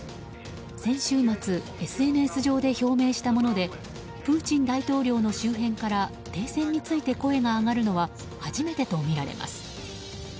先週末ＳＮＳ上で表明したものでプーチン大統領の周辺から停戦について声が上がるのは初めてとみられます。